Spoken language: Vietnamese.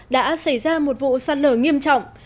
đã xảy ra một vụ giặt lở nghiêm trọng